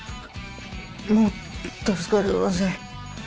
もう助かりません。